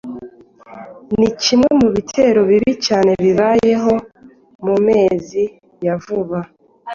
Ni kimwe mu bitero bibi cyane bibayeho mu mezi ya vuba